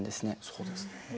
そうですね。